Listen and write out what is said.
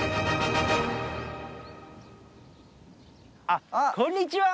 あっこんにちは！